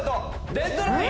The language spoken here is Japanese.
デッドライン！